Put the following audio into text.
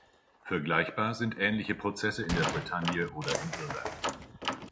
Vergleichbar sind ähnliche Prozesse in der Bretagne oder in Irland.